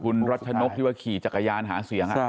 คุณรัชนกที่ว่าขี่จักรยานหาเสียง